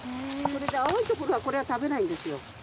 それで青いところはこれは食べないんですよ。